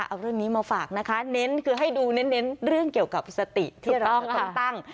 เอาเรื่องนี้มาฝากนะคะเน้นคือให้ดูเน้นเรื่องเกี่ยวกับสติที่เราต้องตั้ง